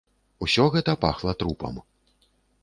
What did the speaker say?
Усё гэта пахла трупам.